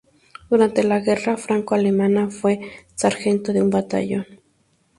Durante la guerra franco-alemana fue sargento de un batallón.